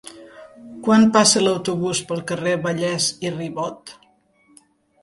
Quan passa l'autobús pel carrer Vallès i Ribot?